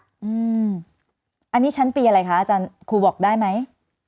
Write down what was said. อันนี้ชั้นปีอะไรคะอาจารย์ครูบอกได้ไหม